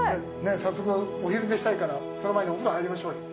早速、お昼寝したいからその前にお風呂入りましょうよ。